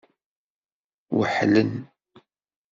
Weḥlen.